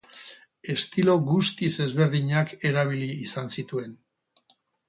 Estilo guztiz ezberdinak erabili izan zituen.